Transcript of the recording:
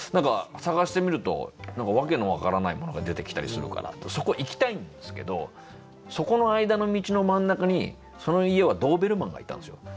探してみると訳の分からないものが出てきたりするからそこ行きたいんですけどそこの間の道の真ん中にその家はドーベルマンがいたんですよ。